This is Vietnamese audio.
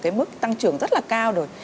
cái mức tăng trưởng rất là cao rồi